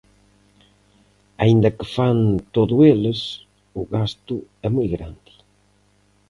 Aínda que fan todo eles, o gasto é moi grande.